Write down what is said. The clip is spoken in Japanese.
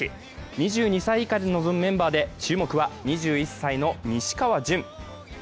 ２２歳以下で臨むメンバーで注目は２１歳の西川潤